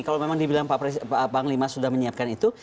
kalau memang dibilang pak panglima sudah menyiapkan itu